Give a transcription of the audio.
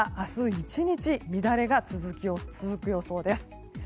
１日、乱れが続く予想です。